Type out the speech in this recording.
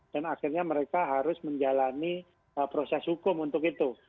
dan akhirnya mereka harus menjalani proses hukum untuk itu